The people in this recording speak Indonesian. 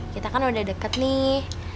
kita kan udah deket nih